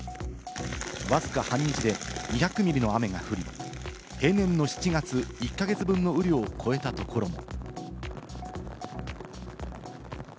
わずか半日で２００ミリの雨が降り、平年の７月１か月分の雨量を超えたところも。